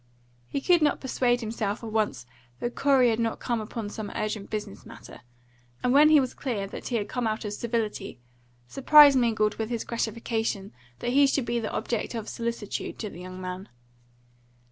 He could not persuade himself at once that Corey had not come upon some urgent business matter, and when he was clear that he had come out of civility, surprise mingled with his gratification that he should be the object of solicitude to the young man.